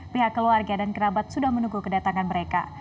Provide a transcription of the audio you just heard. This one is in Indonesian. pihak keluarga dan kerabat sudah menunggu kedatangan mereka